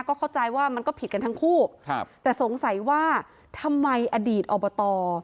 ก็เข้าใจว่ามันก็ผิดกันทั้งคู่ครับแต่สงสัยว่าทำไมอดีตอบต